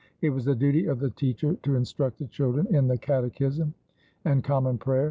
It was the duty of the teacher to instruct the children in the catechism and common prayer.